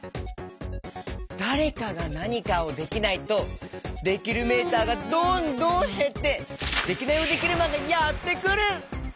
だれかがなにかをできないとできるメーターがどんどんへってデキナイヲデキルマンがやってくる！